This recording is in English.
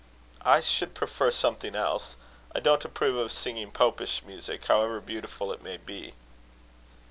"I should prefer something else. I don't approve of singing popish music, however beautiful it may be."